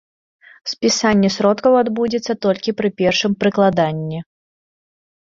Спісанне сродкаў адбудзецца толькі пры першым прыкладанні.